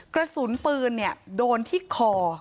กระสุนปืนโดนที่คอ